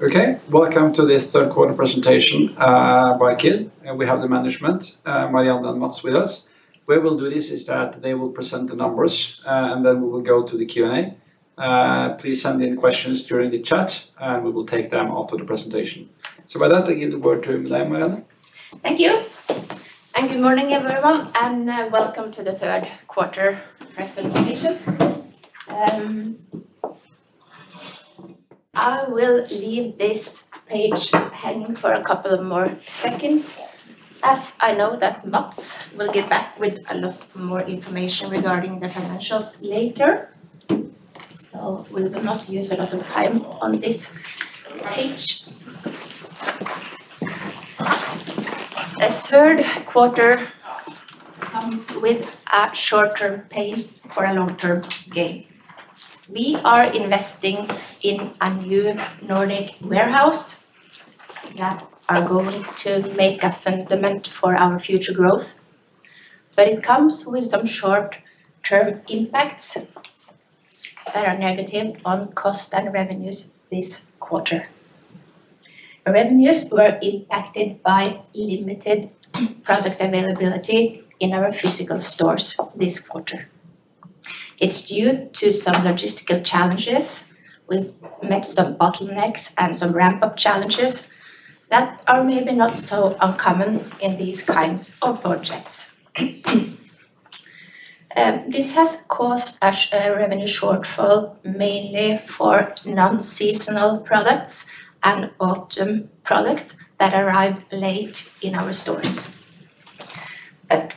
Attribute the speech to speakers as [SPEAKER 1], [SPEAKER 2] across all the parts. [SPEAKER 1] Okay, welcome to this third quarter presentation by Kid. We have the management, Marianne and Mads, with us. The way we'll do this is that they will present the numbers, and then we will go to the Q&A. Please send in questions during the chat, and we will take them after the presentation. With that, I give the word to Madam, Marianne.
[SPEAKER 2] Thank you. Good morning, everyone, and welcome to the third quarter presentation. I will leave this page hanging for a couple more seconds, as I know that Mads will get back with a lot more information regarding the financials later. We will not use a lot of time on this page. The third quarter comes with a short-term pain for a long-term gain. We are investing in a new Nordic warehouse that is going to make a fundament for our future growth. It comes with some short-term impacts that are negative on cost and revenues this quarter. Revenues were impacted by limited product availability in our physical stores this quarter. It is due to some logistical challenges. We have met some bottlenecks and some ramp-up challenges that are maybe not so uncommon in these kinds of projects. This has caused a revenue shortfall mainly for non-seasonal products and autumn products that arrived late in our stores.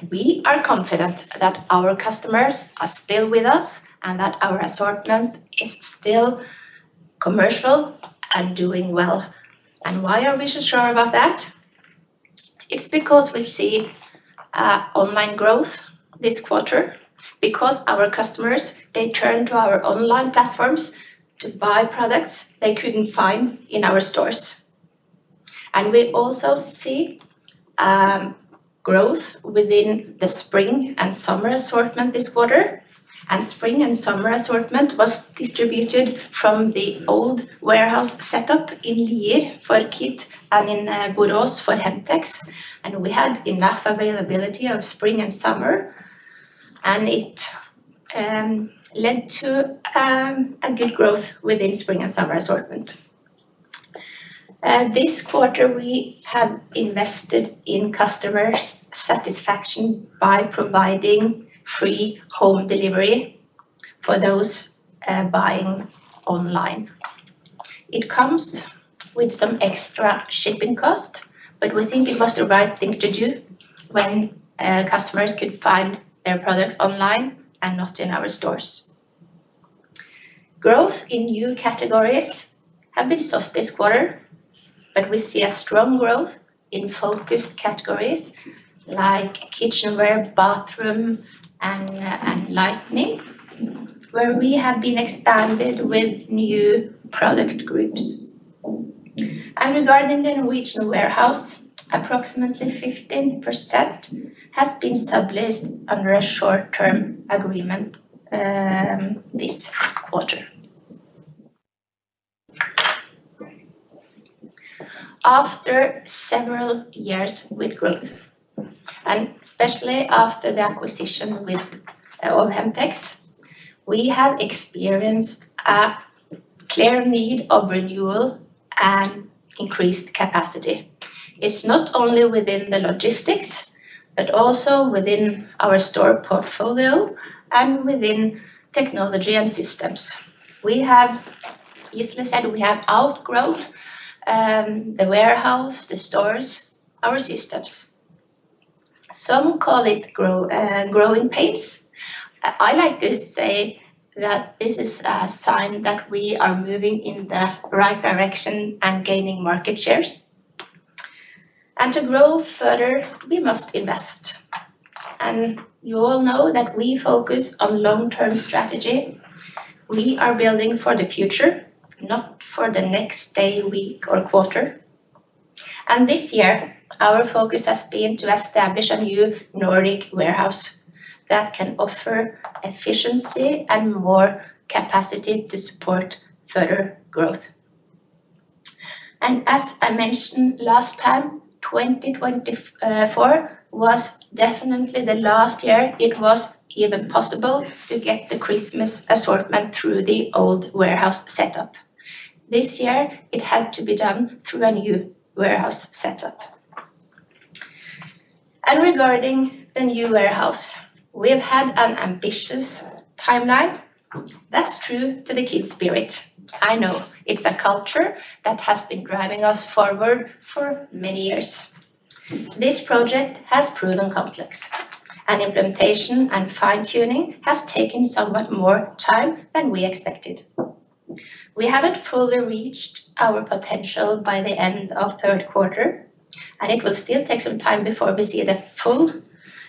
[SPEAKER 2] We are confident that our customers are still with us and that our assortment is still commercial and doing well. Why are we so sure about that? It's because we see online growth this quarter, because our customers, they turn to our online platforms to buy products they couldn't find in our stores. We also see growth within the spring and summer assortment this quarter. Spring and summer assortment was distributed from the old warehouse setup in Lier for Kid and in Borås for Hemtex, and we had enough availability of spring and summer. It led to good growth within spring and summer assortment. This quarter, we have invested in customers' satisfaction by providing free home delivery for those buying online. It comes with some extra shipping cost, but we think it was the right thing to do when customers could find their products online and not in our stores. Growth in new categories has been soft this quarter, but we see a strong growth in focused categories like kitchenware, bathroom, and lighting, where we have been expanded with new product groups. Regarding the Norwegian warehouse, approximately 15% has been established under a short-term agreement this quarter. After several years with growth, and especially after the acquisition with Hemtex, we have experienced a clear need of renewal and increased capacity. It is not only within the logistics, but also within our store portfolio and within technology and systems. We have, as I said, we have outgrown the warehouse, the stores, our systems. Some call it growing pains. I like to say that this is a sign that we are moving in the right direction and gaining market shares. To grow further, we must invest. You all know that we focus on long-term strategy. We are building for the future, not for the next day, week, or quarter. This year, our focus has been to establish a new Nordic warehouse that can offer efficiency and more capacity to support further growth. As I mentioned last time, 2024 was definitely the last year it was even possible to get the Christmas assortment through the old warehouse setup. This year, it had to be done through a new warehouse setup. Regarding the new warehouse, we have had an ambitious timeline. That is true to the Kid spirit. I know it is a culture that has been driving us forward for many years. This project has proven complex, and implementation and fine-tuning has taken somewhat more time than we expected. We haven't fully reached our potential by the end of third quarter, and it will still take some time before we see the full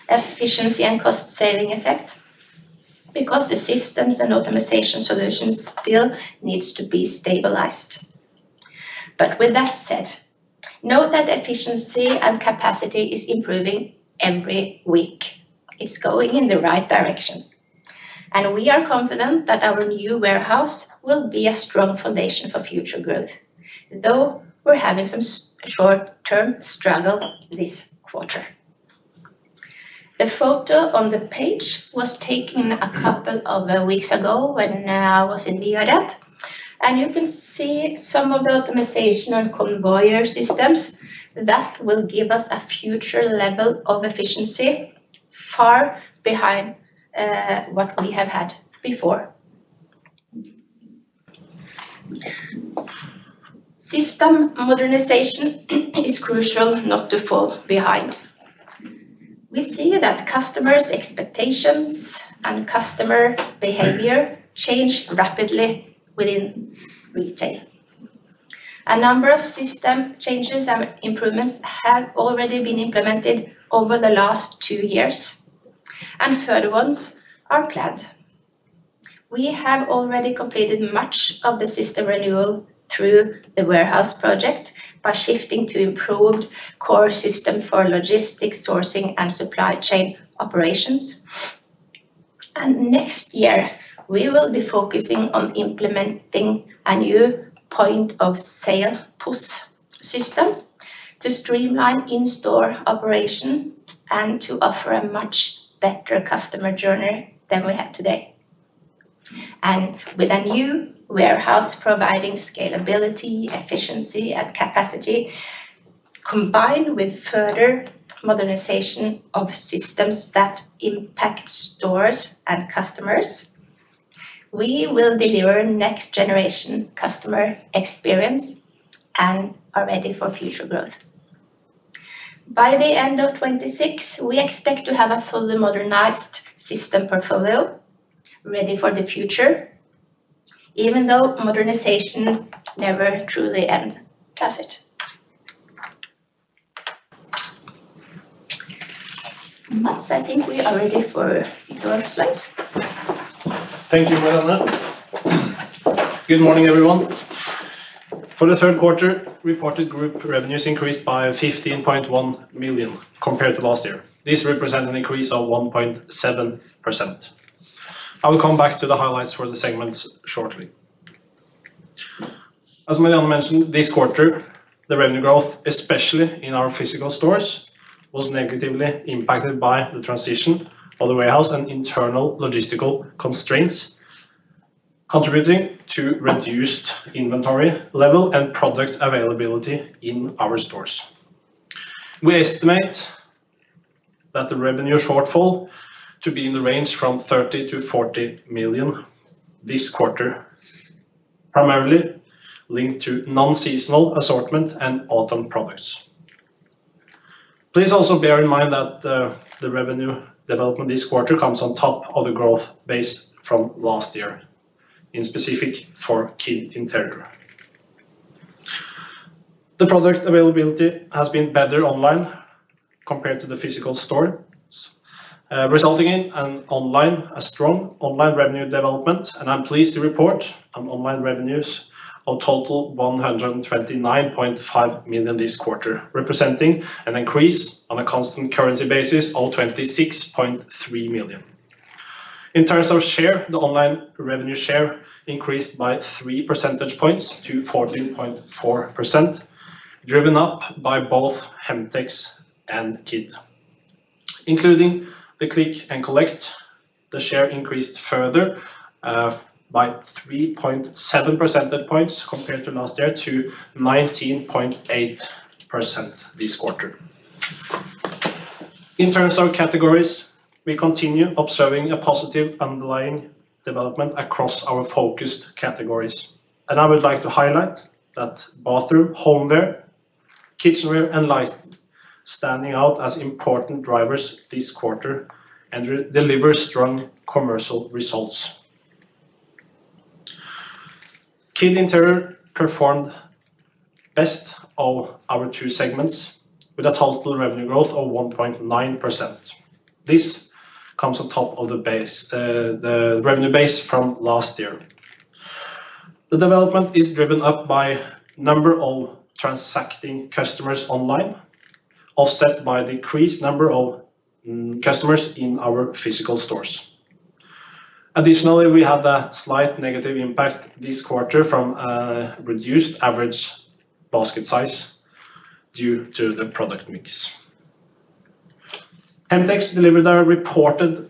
[SPEAKER 2] efficiency and cost-saving effects, because the systems and optimization solutions still need to be stabilized. With that said, know that efficiency and capacity is improving every week. It's going in the right direction. We are confident that our new warehouse will be a strong foundation for future growth, though we're having some short-term struggle this quarter. The photo on the page was taken a couple of weeks ago when I was in Viared, and you can see some of the optimization on conveyor systems that will give us a future level of efficiency. Far behind what we have had before. System modernization is crucial not to fall behind. We see that customers' expectations and customer behavior change rapidly within retail. A number of system changes and improvements have already been implemented over the last two years, and further ones are planned. We have already completed much of the system renewal through the warehouse project by shifting to improved core systems for logistics, sourcing, and supply chain operations. Next year, we will be focusing on implementing a new point-of-sale system to streamline in-store operation and to offer a much better customer journey than we have today. With a new warehouse providing scalability, efficiency, and capacity, combined with further modernization of systems that impact stores and customers, we will deliver next-generation customer experience and are ready for future growth. By the end of 2026, we expect to have a fully modernized system portfolio ready for the future. Even though modernization never truly ends, does it? Mads, I think we are ready for your slides.
[SPEAKER 3] Thank you, Marianne. Good morning, everyone. For the third quarter, reported group revenues increased by 15.1 million compared to last year. This represents an increase of 1.7%. I will come back to the highlights for the segments shortly. As Marianne mentioned, this quarter, the revenue growth, especially in our physical stores, was negatively impacted by the transition of the warehouse and internal logistical constraints, contributing to reduced inventory level and product availability in our stores. We estimate that the revenue shortfall to be in the range from 30 million to 40 million this quarter, primarily linked to non-seasonal assortment and autumn products. Please also bear in mind that the revenue development this quarter comes on top of the growth based from last year, in specific for Kid interior. The product availability has been better online compared to the physical stores. Resulting in a strong online revenue development, and I'm pleased to report on online revenues of total 129.5 million this quarter, representing an increase on a constant currency basis of 26.3 million. In terms of share, the online revenue share increased by 3 percentage points to 14.4%. Driven up by both Hemtex and Kid. Including the click and collect, the share increased further by 3.7 percentage points compared to last year to 19.8% this quarter. In terms of categories, we continue observing a positive underlying development across our focused categories. I would like to highlight that bathroom, homeware, kitchenware, and lighting stand out as important drivers this quarter and deliver strong commercial results. Kid interior performed best of our two segments with a total revenue growth of 1.9%. This comes on top of the revenue base from last year. The development is driven up by the number of transacting customers online, offset by the decreased number of customers in our physical stores. Additionally, we had a slight negative impact this quarter from a reduced average basket size due to the product mix. Hemtex delivered a reported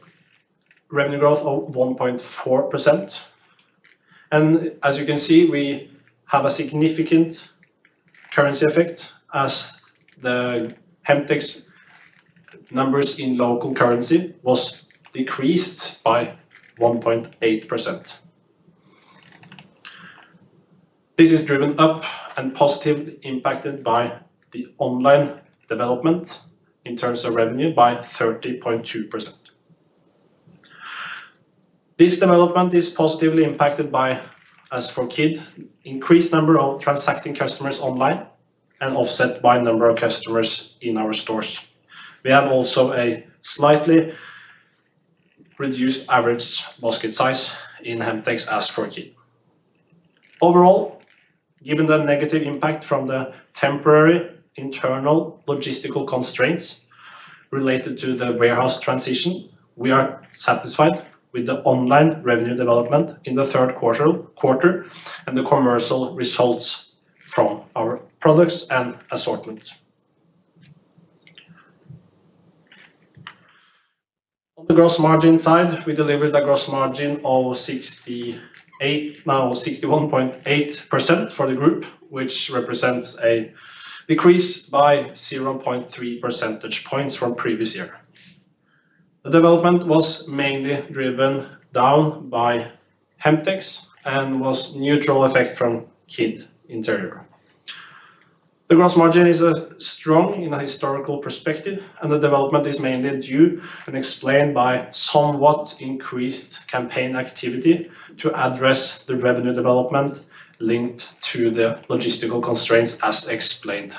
[SPEAKER 3] revenue growth of 1.4%. As you can see, we have a significant currency effect as the Hemtex numbers in local currency was decreased by 1.8%. This is driven up and positively impacted by the online development in terms of revenue by 30.2%. This development is positively impacted by, as for Kid, the increased number of transacting customers online and offset by the number of customers in our stores. We have also a slightly reduced average basket size in Hemtex as for Kid. Overall, given the negative impact from the temporary internal logistical constraints related to the warehouse transition, we are satisfied with the online revenue development in the third quarter and the commercial results from our products and assortment. On the gross margin side, we delivered a gross margin of 61.8% for the group, which represents a decrease by 0.3 percentage points from previous year. The development was mainly driven down by Hemtex and was a neutral effect from Kid interior. The gross margin is strong in a historical perspective, and the development is mainly due and explained by somewhat increased campaign activity to address the revenue development linked to the logistical constraints, as explained.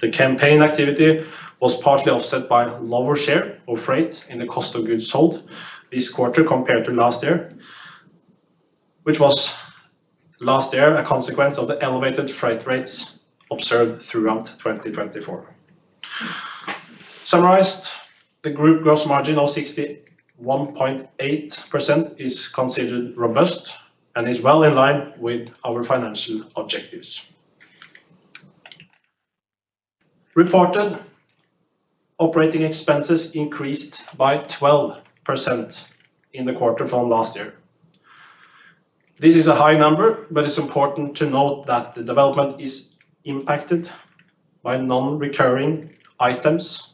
[SPEAKER 3] The campaign activity was partly offset by lower share of freight in the cost of goods sold this quarter compared to last year, which was last year a consequence of the elevated freight rates observed throughout 2024. Summarized, the group gross margin of 61.8% is considered robust and is well in line with our financial objectives. Reported operating expenses increased by 12% in the quarter from last year. This is a high number, but it's important to note that the development is impacted by non-recurring items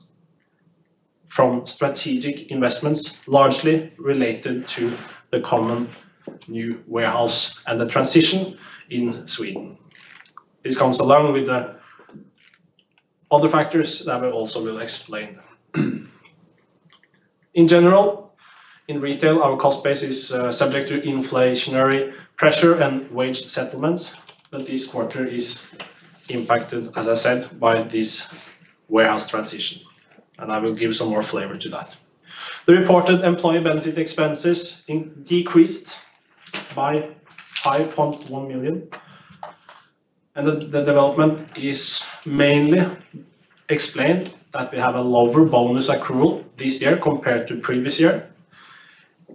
[SPEAKER 3] from strategic investments, largely related to the common new warehouse and the transition in Sweden. This comes along with the other factors that we also will explain. In general, in retail, our cost base is subject to inflationary pressure and wage settlements, but this quarter is impacted, as I said, by this warehouse transition, and I will give some more flavor to that. The reported employee benefit expenses decreased by 5.1 million, and the development is mainly explained that we have a lower bonus accrual this year compared to previous year.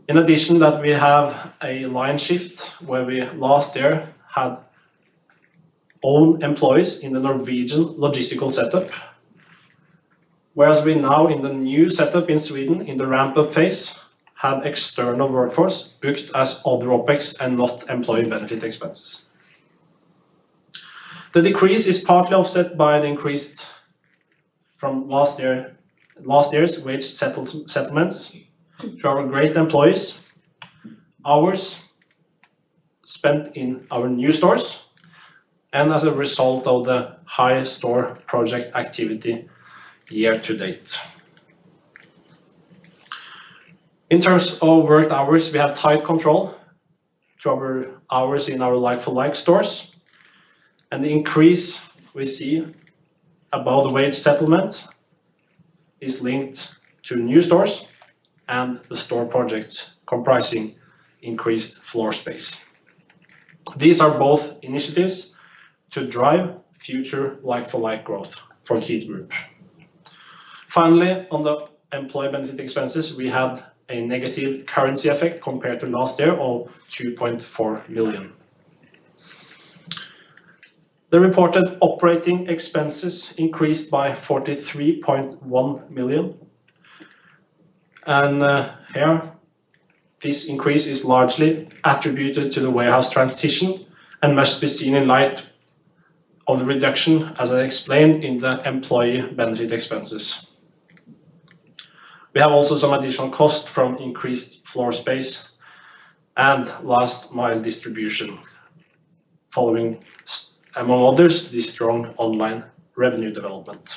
[SPEAKER 3] In addition, we have a line shift where we last year had own employees in the Norwegian logistical setup. Whereas we now, in the new setup in Sweden, in the ramp-up phase, have external workforce booked as other OpEx and not employee benefit expenses. The decrease is partly offset by an increase from last year's wage settlements to our great employees. Hours spent in our new stores, and as a result of the high store project activity year to date. In terms of worked hours, we have tight control to our hours in our like-for-like stores. The increase we see about the wage settlement is linked to new stores and the store projects comprising increased floor space. These are both initiatives to drive future like-for-like growth for Kid Group. Finally, on the employee benefit expenses, we have a negative currency effect compared to last year of 2.4 million. The reported operating expenses increased by 43.1 million. This increase is largely attributed to the warehouse transition and must be seen in light of the reduction, as I explained, in the employee benefit expenses. We have also some additional costs from increased floor space and last-mile distribution, following, among others, this strong online revenue development.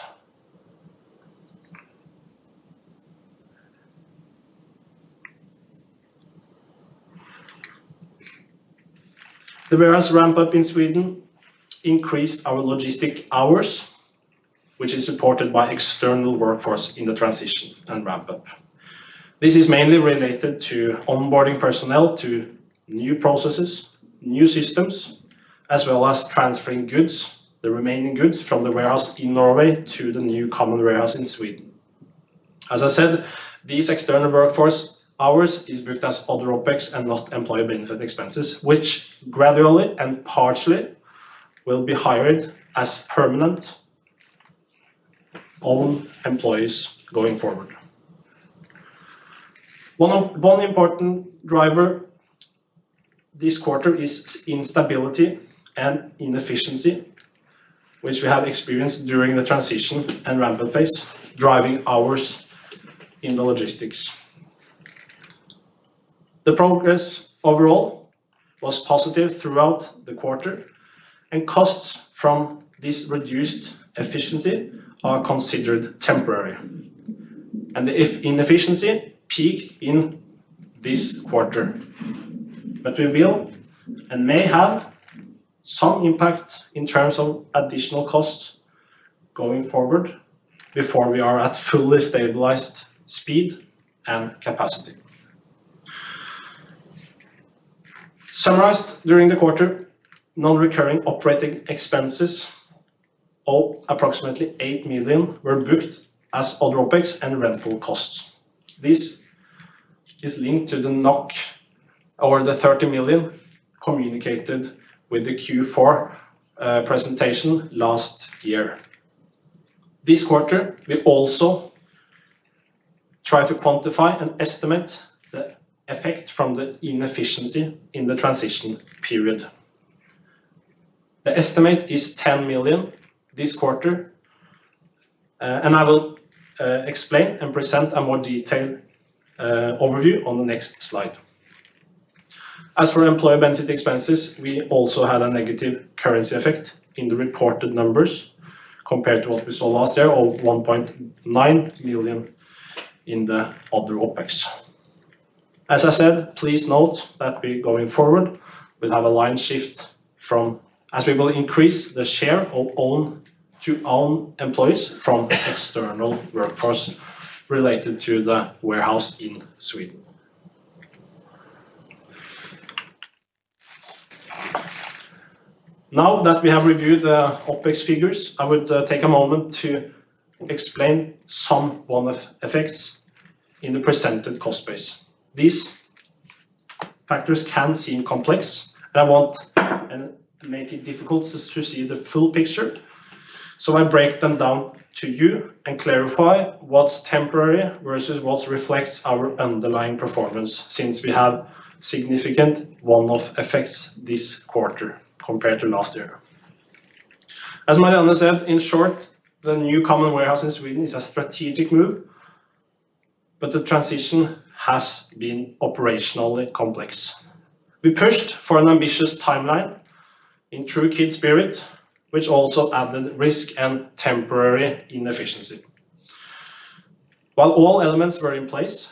[SPEAKER 3] The warehouse ramp-up in Sweden increased our logistic hours, which is supported by external workforce in the transition and ramp-up. This is mainly related to onboarding personnel to new processes, new systems, as well as transferring the remaining goods from the warehouse in Norway to the new common warehouse in Sweden. As I said, these external workforce hours are booked as other operating expenses and not employee benefit expenses, which gradually and partially will be hired as permanent own employees going forward. One important driver this quarter is instability and inefficiency. Which we have experienced during the transition and ramp-up phase, driving hours in the logistics. The progress overall was positive throughout the quarter, and costs from this reduced efficiency are considered temporary. The inefficiency peaked in this quarter. We will and may have some impact in terms of additional costs going forward before we are at fully stabilized speed and capacity. Summarized during the quarter, non-recurring operating expenses of approximately 8 million were booked as other OpEx and rental costs. This is linked to the 30 million communicated with the Q4 presentation last year. This quarter, we also tried to quantify and estimate the effect from the inefficiency in the transition period. The estimate is 10 million this quarter. I will explain and present a more detailed overview on the next slide. As for employee benefit expenses, we also had a negative currency effect in the reported numbers compared to what we saw last year of 1.9 million. In the other OpEx. As I said, please note that going forward, we have a line shift from as we will increase the share of own to own employees from external workforce related to the warehouse in Sweden. Now that we have reviewed the OpEx figures, I would take a moment to explain some one-off effects in the presented cost base. These factors can seem complex, and I won't make it difficult to see the full picture, so I break them down to you and clarify what's temporary versus what reflects our underlying performance since we have significant one-off effects this quarter compared to last year. As Marianne said, in short, the new common warehouse in Sweden is a strategic move. The transition has been operationally complex. We pushed for an ambitious timeline in true Kid spirit, which also added risk and temporary inefficiency. While all elements were in place,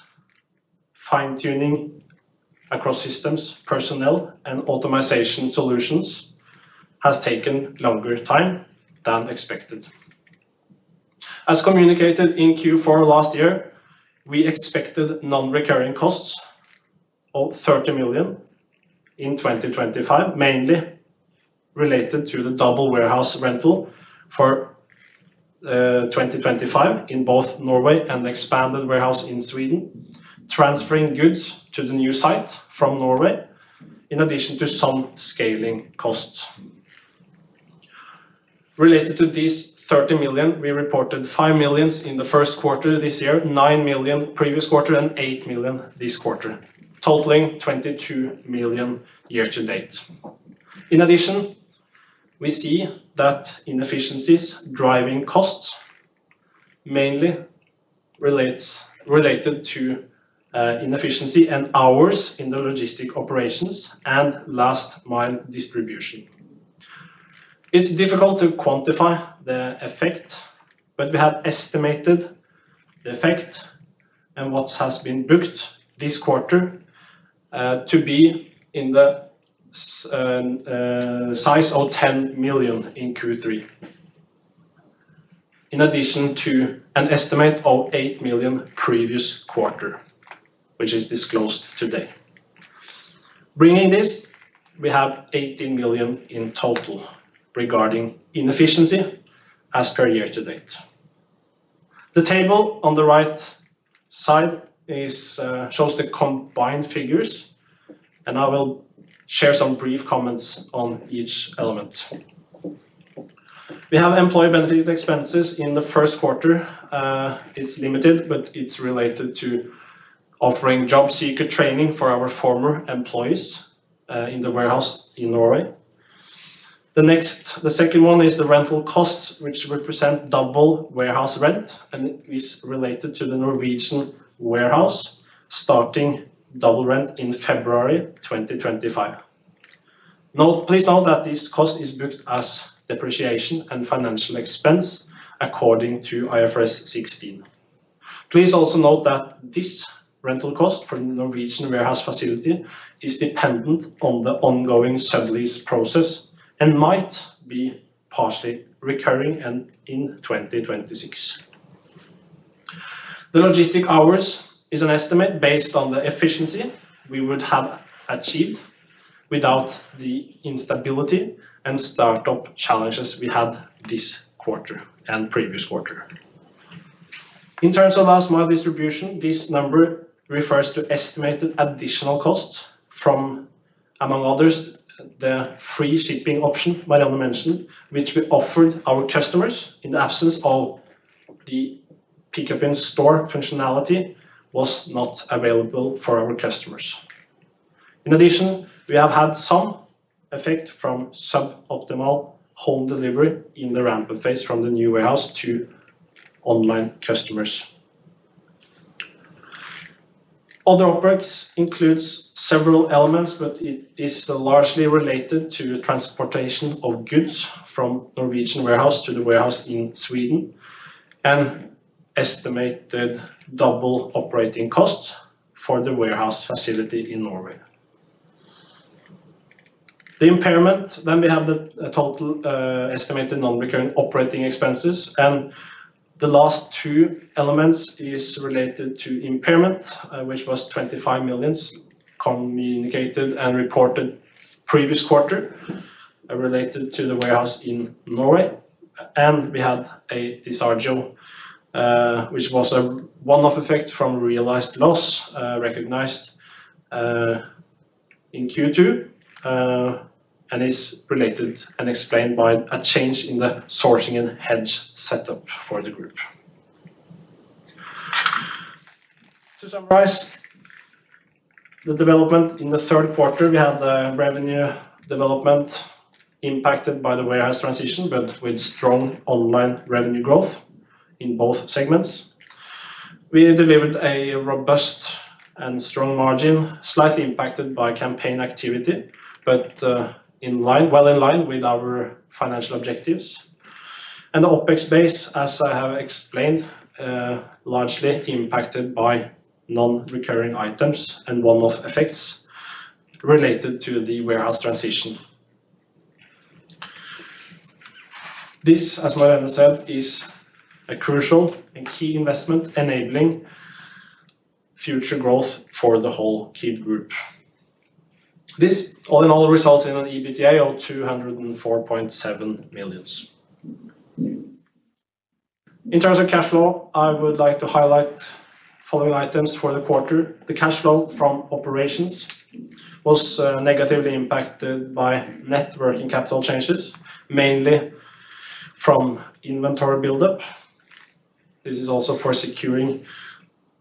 [SPEAKER 3] fine-tuning across systems, personnel, and optimization solutions has taken longer time than expected. As communicated in Q4 last year, we expected non-recurring costs of 30 million in 2025, mainly related to the double warehouse rental for 2025 in both Norway and the expanded warehouse in Sweden, transferring goods to the new site from Norway, in addition to some scaling costs. Related to these 30 million, we reported 5 million in the first quarter this year, 9 million previous quarter, and 8 million this quarter, totaling 22 million year to date. In addition, we see that inefficiencies are driving costs, mainly related to inefficiency and hours in the logistic operations and last-mile distribution. It's difficult to quantify the effect, but we have estimated. The effect and what has been booked this quarter. To be in the size of 10 million in Q3. In addition to an estimate of 8 million previous quarter, which is disclosed today. Bringing this, we have 18 million in total regarding inefficiency as per year to date. The table on the right side shows the combined figures, and I will share some brief comments on each element. We have employee benefit expenses in the first quarter. It's limited, but it's related to offering job seeker training for our former employees in the warehouse in Norway. The second one is the rental costs, which represent double warehouse rent, and it is related to the Norwegian warehouse starting double rent in February 2025. Please note that this cost is booked as depreciation and financial expense according to IFRS 16. Please also note that this rental cost for the Norwegian warehouse facility is dependent on the ongoing sublease process and might be partially recurring in 2026. The logistic hours is an estimate based on the efficiency we would have achieved without the instability and startup challenges we had this quarter and previous quarter. In terms of last-mile distribution, this number refers to estimated additional costs from, among others, the free shipping option Marianne mentioned, which we offered our customers in the absence of the pickup in store functionality. The pickup in store functionality was not available for our customers. In addition, we have had some effect from suboptimal home delivery in the ramp-up phase from the new warehouse to online customers. Other OpEx includes several elements, but it is largely related to transportation of goods from the Norwegian warehouse to the warehouse in Sweden and estimated double operating costs for the warehouse facility in Norway. The impairment, then we have the total estimated non-recurring operating expenses, and the last two elements are related to impairment, which was 25 million. Communicated and reported previous quarter. Related to the warehouse in Norway, and we had a disagio, which was a one-off effect from realized loss recognized in Q2 and is related and explained by a change in the sourcing and hedge setup for the group. To summarize, the development in the third quarter, we had the revenue development impacted by the warehouse transition, but with strong online revenue growth in both segments. We delivered a robust and strong margin, slightly impacted by campaign activity, but well in line with our financial objectives. The OpEx base, as I have explained, largely impacted by non-recurring items and one-off effects related to the warehouse transition. This, as Marianne said, is a crucial and key investment enabling. Future growth for the whole Kid Group. This, all in all, results in an EBITDA of 204.7 million. In terms of cash flow, I would like to highlight the following items for the quarter. The cash flow from operations was negatively impacted by net working capital changes, mainly from inventory buildup. This is also for securing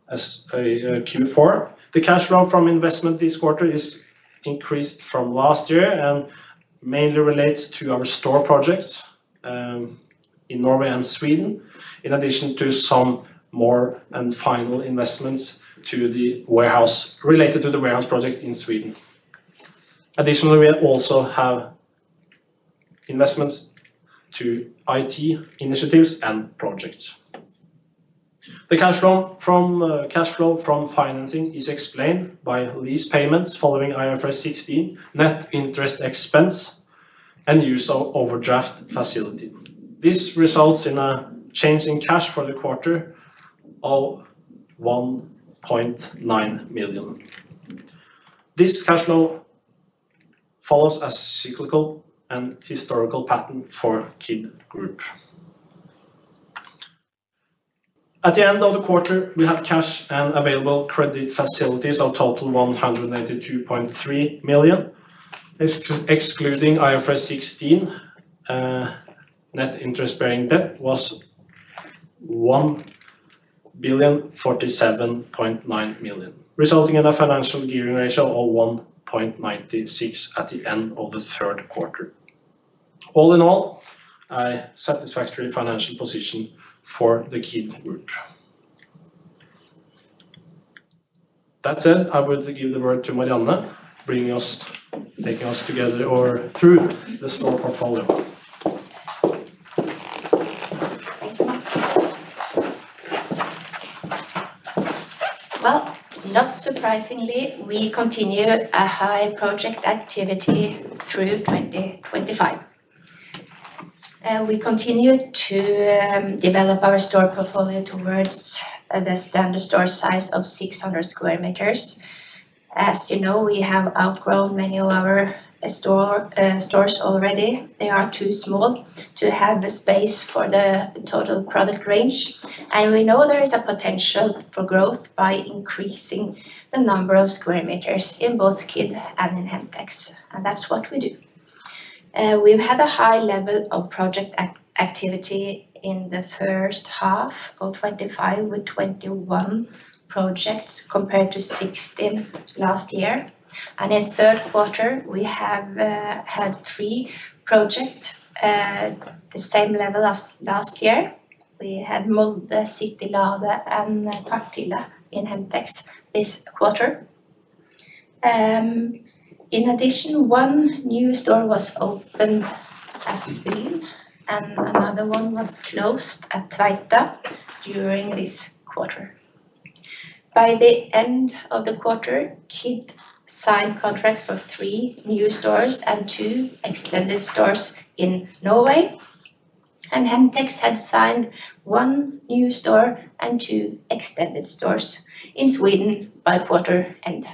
[SPEAKER 3] Q4. The cash flow from investment this quarter is increased from last year and mainly relates to our store projects in Norway and Sweden, in addition to some more and final investments related to the warehouse project in Sweden. Additionally, we also have investments to IT initiatives and projects. The cash flow from financing is explained by lease payments following IFRS 16, net interest expense, and use of overdraft facility. This results in a change in cash for the quarter of 1.9 million. This cash flow follows a cyclical and historical pattern for Kid Group. At the end of the quarter, we had cash and available credit facilities of total 182.3 million. Excluding IFRS 16, net interest-bearing debt was 1,047.9 million, resulting in a financial gearing ratio of 1.96 at the end of the third quarter. All in all, a satisfactory financial position for the Kid Group. That said, I would give the word to Marianne, taking us together through the store portfolio.
[SPEAKER 2] Thank you very much. Not surprisingly, we continue a high project activity through 2025. We continue to develop our store portfolio towards the standard store size of 600 sq m. As you know, we have outgrown many of our stores already. They are too small to have the space for the total product range. We know there is a potential for growth by increasing the number of square meters in both Kid and in Hemtex. That's what we do. We've had a high level of project activity in the first half of 2025 with 21 projects compared to 16 last year. In the third quarter, we have had three projects at the same level as last year. We had Molde, City Lade, and Partille in Hemtex this quarter. In addition, one new store was opened at Wien, and another one was closed at Tveita during this quarter. By the end of the quarter, Kid signed contracts for three new stores and two extended stores in Norway. Hemtex had signed one new store and two extended stores in Sweden by quarter end.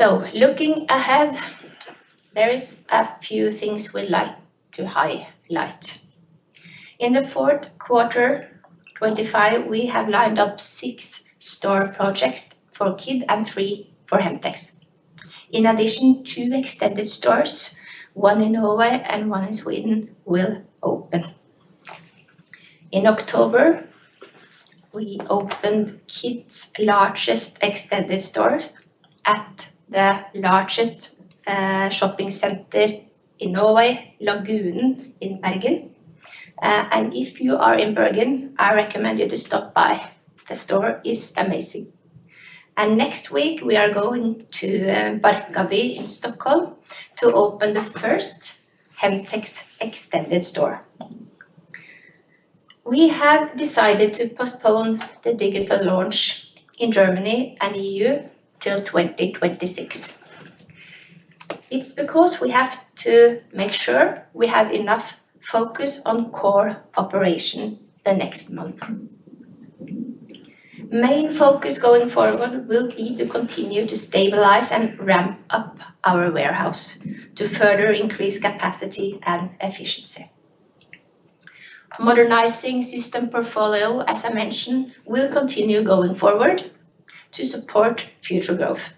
[SPEAKER 2] Looking ahead, there are a few things we'd like to highlight. In the fourth quarter 2025, we have lined up six store projects for Kid and three for Hemtex. In addition, two extended stores, one in Norway and one in Sweden, will open. In October, we opened Kid's largest extended store at the largest shopping center in Norway, Lagunen in Bergen. If you are in Bergen, I recommend you to stop by. The store is amazing. Next week, we are going to Barkaby in Stockholm to open the first Hemtex extended store. We have decided to postpone the digital launch in Germany and EU till 2026. It's because we have to make sure we have enough focus on core operation the next month. Main focus going forward will be to continue to stabilize and ramp up our warehouse to further increase capacity and efficiency. Modernizing system portfolio, as I mentioned, will continue going forward to support future growth.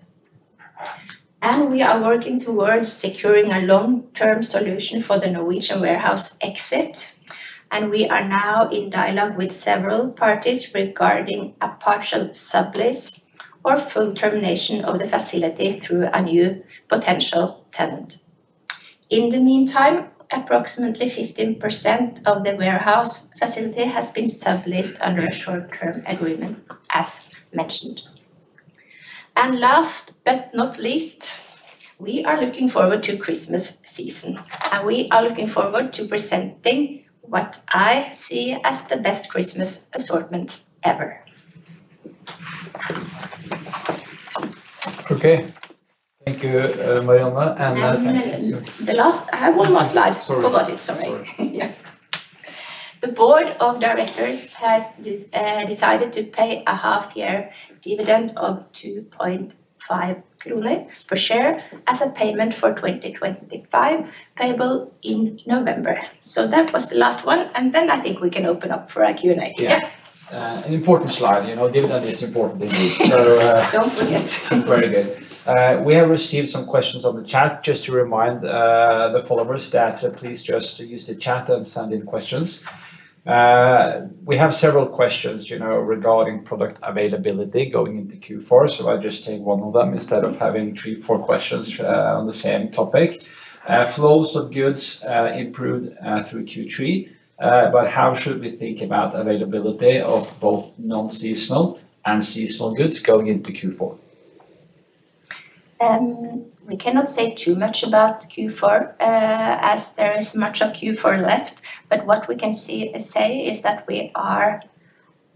[SPEAKER 2] We are working towards securing a long-term solution for the Norwegian warehouse exit. We are now in dialogue with several parties regarding a partial sublease or full termination of the facility through a new potential tenant. In the meantime, approximately 15% of the warehouse facility has been subleased under a short-term agreement, as mentioned. Last but not least, we are looking forward to the Christmas season, and we are looking forward to presenting what I see as the best Christmas assortment ever. Okay. Thank you, Marianne. I have one more slide. Sorry. Forgot it. Sorry. The board of directors has decided to pay a half-year dividend of 2.5 krone per share as a payment for 2025, payable in November. That was the last one. I think we can open up for a Q&A. Yeah. An important slide. You know, dividend is important indeed. Do not forget. Very good. We have received some questions on the chat. Just to remind the followers that please just use the chat and send in questions. We have several questions regarding product availability going into Q4, so I'll just take one of them instead of having three or four questions on the same topic. Flows of goods improved through Q3, but how should we think about availability of both non-seasonal and seasonal goods going into Q4? We cannot say too much about Q4, as there is much of Q4 left, but what we can say is that we are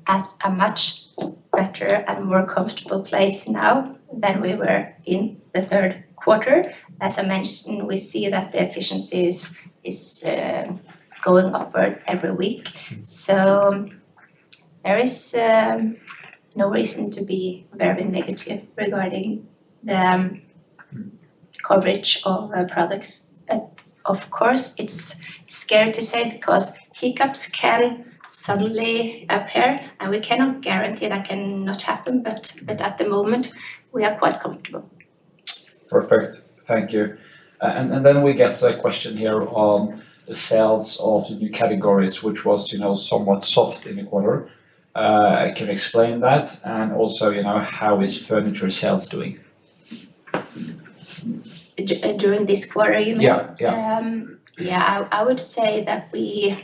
[SPEAKER 2] at a much better and more comfortable place now than we were in the third quarter. As I mentioned, we see that the efficiency is going upward every week. There is no reason to be very negative regarding the coverage of products. Of course, it's scary to say because hiccups can suddenly appear, and we cannot guarantee that cannot happen, but at the moment, we are quite comfortable. Perfect. Thank you. We get a question here on sales of the new categories, which was somewhat soft in the quarter. Can you explain that? Also, how is furniture sales doing? During this quarter, you mean? Yeah. I would say that we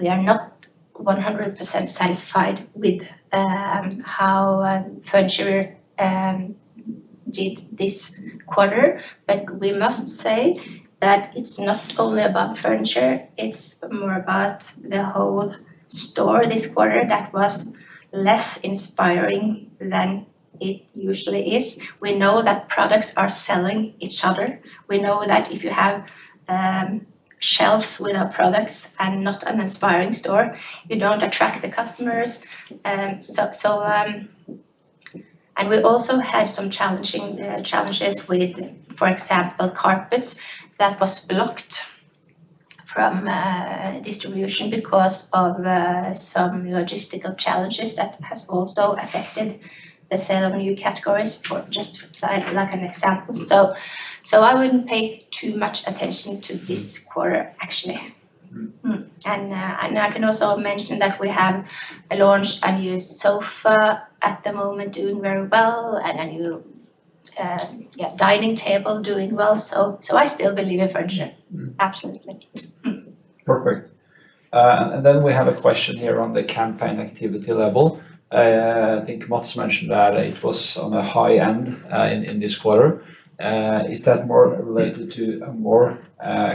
[SPEAKER 2] are not 100% satisfied with how furniture did this quarter, but we must say that it's not only about furniture. It's more about the whole store this quarter that was less inspiring than it usually is. We know that products are selling each other. We know that if you have shelves with our products and not an inspiring store, you don't attract the customers. We also had some challenges with, for example, carpets that were blocked from distribution because of some logistical challenges that have also affected the sale of new categories for just like an example. I would not pay too much attention to this quarter, actually. I can also mention that we have launched a new sofa at the moment doing very well and a new dining table doing well. I still believe in furniture. Absolutely. Perfect. We have a question here on the campaign activity level. I think Mads mentioned that it was on the high end in this quarter. Is that more related to a more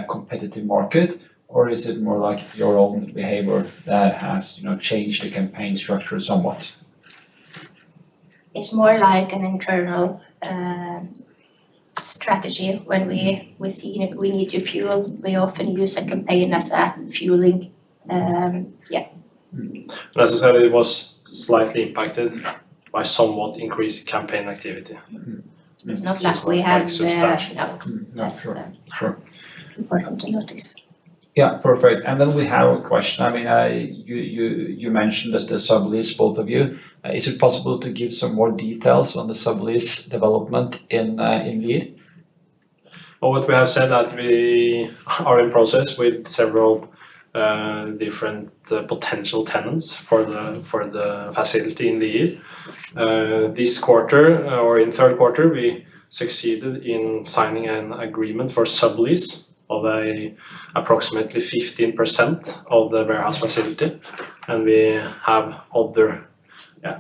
[SPEAKER 2] competitive market, or is it more like your own behavior that has changed the campaign structure somewhat? It is more like an internal strategy. When we need to fuel, we often use a campaign as a fueling. Yeah.
[SPEAKER 3] As I said, it was slightly impacted by somewhat increased campaign activity.
[SPEAKER 2] It's not like we have substantial.
[SPEAKER 3] Not sure.
[SPEAKER 2] Important to notice. Yeah. Perfect. Then we have a question. I mean. You mentioned the sublease, both of you. Is it possible to give some more details on the sublease development in Lier? What we have said is that we are in process with several different potential tenants for the facility in Lier. This quarter or in third quarter, we succeeded in signing an agreement for sublease of approximately 15% of the warehouse facility. We have other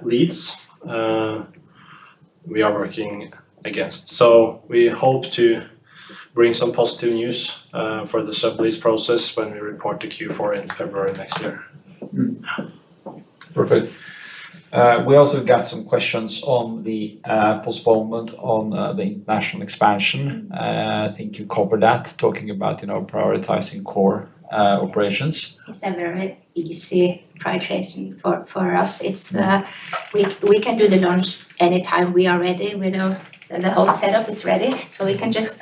[SPEAKER 2] leads we are working against. We hope to bring some positive news for the sublease process when we report to Q4 in February next year. Perfect. We also got some questions on the postponement on the international expansion. I think you covered that, talking about prioritizing core operations. It's a very easy prioritization for us. We can do the launch anytime we are ready with the whole setup is ready. We can just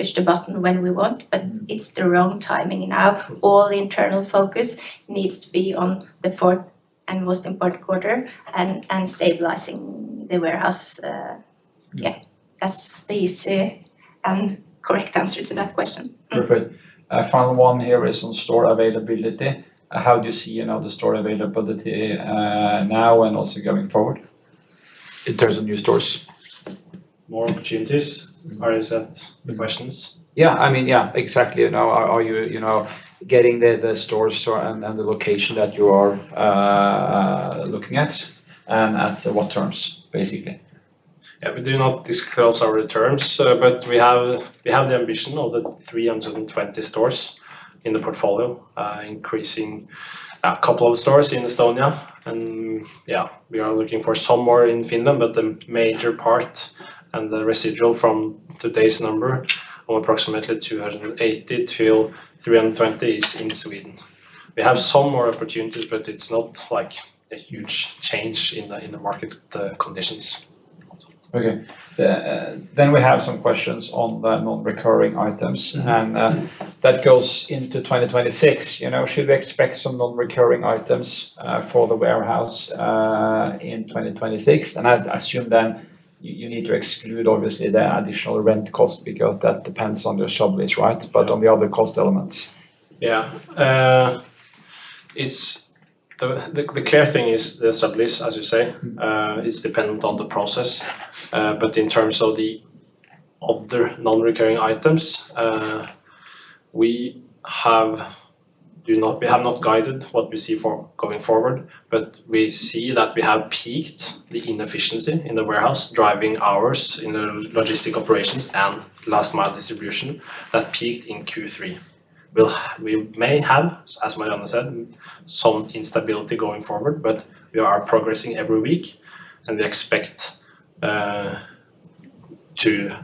[SPEAKER 2] push the button when we want, but it's the wrong timing now. All internal focus needs to be on the fourth and most important quarter and stabilizing the warehouse. Yeah. That's the easy and correct answer to that question. Perfect. Final one here is on store availability. How do you see the store availability now and also going forward? In terms of new stores?
[SPEAKER 3] More opportunities? Are these the questions? Yeah. I mean, yeah, exactly. Are you getting the stores and the location that you are looking at? And at what terms, basically? Yeah. We do not disclose our terms, but we have the ambition of the 320 stores in the portfolio, increasing. A couple of stores in Estonia. Yeah, we are looking for some more in Finland, but the major part and the residual from today's number of approximately 280-320 is in Sweden. We have some more opportunities, but it's not like a huge change in the market conditions. Okay. We have some questions on the non-recurring items. That goes into 2026. Should we expect some non-recurring items for the warehouse in 2026? I assume you need to exclude, obviously, the additional rent cost because that depends on your sublease, right? On the other cost elements? Yeah. The clear thing is the sublease, as you say, is dependent on the process. In terms of the other non-recurring items. We have not guided what we see going forward, but we see that we have peaked the inefficiency in the warehouse, driving hours in the logistic operations and last-mile distribution that peaked in Q3. We may have, as Marianne said, some instability going forward, but we are progressing every week, and we expect to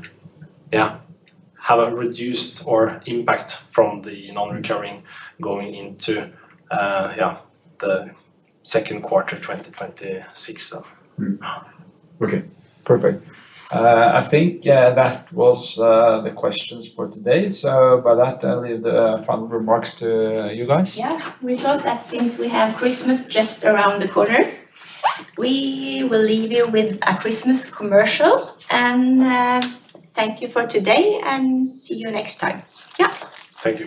[SPEAKER 3] have a reduced impact from the non-recurring going into the second quarter 2026. Okay. Perfect. I think that was the questions for today. By that, I leave the final remarks to you guys.
[SPEAKER 2] Yeah. We thought that since we have Christmas just around the corner, we will leave you with a Christmas commercial. Thank you for today and see you next time. Yeah. Thank you.